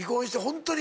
ホントに。